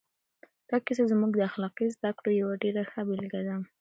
دا کیسه زموږ د اخلاقي زده کړو یوه ډېره ښه بېلګه ده.